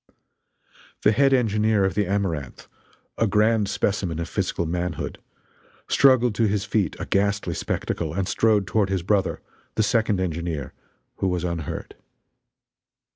The head engineer of the Amaranth, a grand specimen of physical manhood, struggled to his feet a ghastly spectacle and strode toward his brother, the second engineer, who was unhurt.